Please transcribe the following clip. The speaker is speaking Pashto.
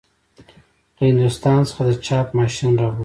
له هندوستان څخه د چاپ ماشین راوړل شو.